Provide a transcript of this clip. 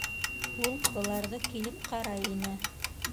Ул быларҙы килеп ҡарай ине.